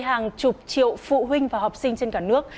hàng chục triệu phụ huynh và học sinh trên cả nước